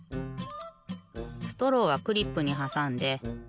ストローはクリップにはさんで。